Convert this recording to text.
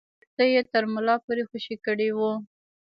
اوږده ويښته يې تر ملا پورې خوشې کړي وو.